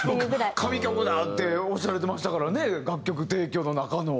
「神曲だ」っておっしゃられてましたからね楽曲提供の中の。